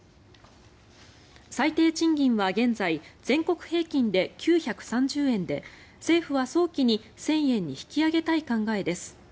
最低賃金は現在全国平均で９３０円で政府は早期に１０００円に引き上げたい考えです。